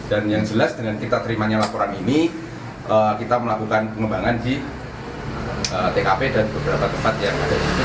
dan yang jelas dengan kita terimanya laporan ini kita melakukan pengembangan di tkp dan beberapa tempat yang ada di situ